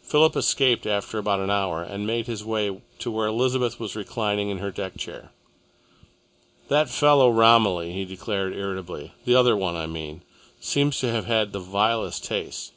Philip escaped after about an hour and made his way to where Elizabeth was reclining in her deck chair. "That fellow Romilly," he declared irritably, "the other one, I mean, seems to have had the vilest tastes.